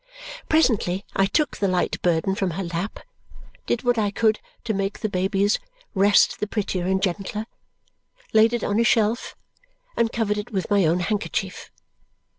Presently I took the light burden from her lap, did what I could to make the baby's rest the prettier and gentler, laid it on a shelf, and covered it with my own handkerchief.